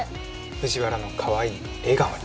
藤原のかわいい笑顔に！